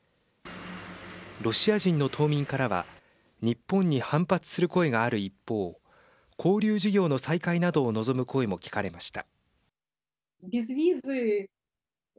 ロシア人の島民からは日本に反発する声がある一方交流事業の再開などを望む声も聞かれました。